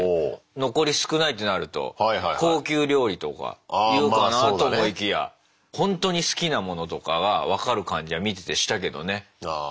残り少ないってなると高級料理とか言うかなと思いきやほんとに好きなものとかが分かる感じは見ててしたけどね。